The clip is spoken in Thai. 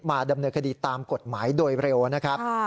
ดำเนินคดีตามกฎหมายโดยเร็วนะครับ